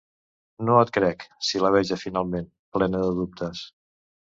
No et crec —sil·labeja finalment, plena de dubtes.